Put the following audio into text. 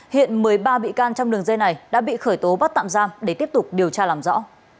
hiện một mươi ba bị can trong đường dây này đã bị khởi tố bắt tạm giam để tiếp tục điều tra làm rõ